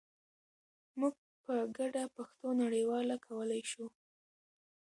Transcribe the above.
موږ په ګډه پښتو نړیواله کولای شو.